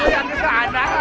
itu yang ke sana